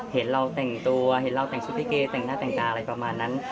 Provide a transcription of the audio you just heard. เห็นเราแต่งตัวชุดลิเกย์หน้าแต่งตาอะไรประมาณนั้น